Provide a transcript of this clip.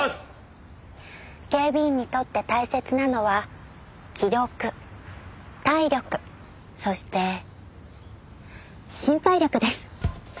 警備員にとって大切なのは気力体力そして心配力です。